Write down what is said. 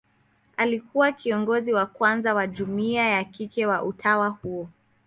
Alikuwa kiongozi wa kwanza wa jumuia ya kike wa utawa huo.